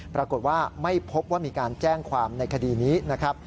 ปรากฏว่าไม่พบว่ามีการแจ้งความในคดีนี้นะครับ